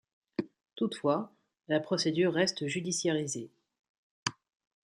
Toutefois, la procédure reste judiciarisée.